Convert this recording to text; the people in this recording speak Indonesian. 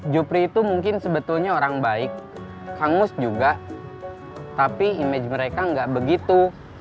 jupri itu mungkin sebetulnya orang baik kang mus juga tapi image mereka enggak begitu